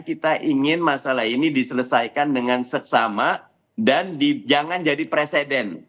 kita ingin masalah ini diselesaikan dengan seksama dan jangan jadi presiden